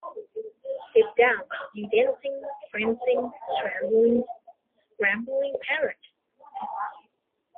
Sit down, you dancing, prancing, shambling, scrambling parrot!